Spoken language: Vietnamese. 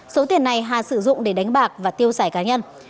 số tiền này hà sử dụng để đánh bạc và tiêu xài cá nhân